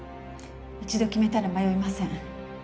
一度決めたら迷いません。